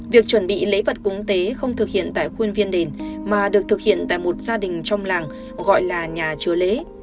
việc chuẩn bị lễ vật cúng tế không thực hiện tại khuyên viên đền mà được thực hiện tại một gia đình trong làng gọi là nhà chùa lễ